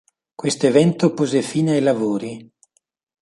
Questo evento pose fine ai lavori.